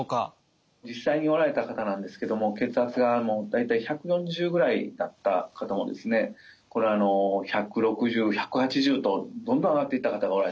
実際におられた方なんですけども血圧がもう大体１４０ぐらいだった方もですね１６０１８０とどんどん上がっていった方がおられたんですね。